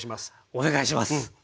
お願いします。